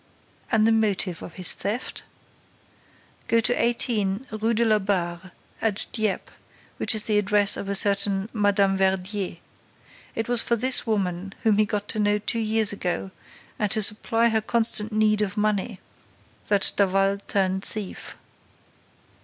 "And the motive of his theft?" "Go to 18, Rue de la Barre, at Dieppe, which is the address of a certain Mme. Verdier. It was for this woman, whom he got to know two years ago, and to supply her constant need of money that Daval turned thief."